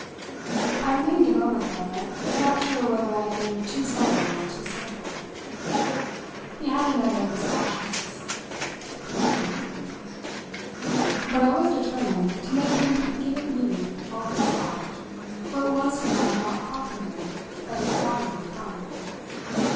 I remained a moment, however, not sure whether I had been too subtle or too simple. He had another of his cautions. "What do you ?" But I was determined to make him give it me all himself, for it was from my not prompting him that its value would come.